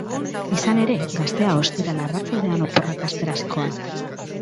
Izan ere, gaztea ostiral arratsaldean oporrak hastera zihoan.